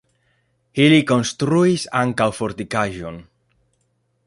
Ili konstruis ankaŭ fortikaĵon.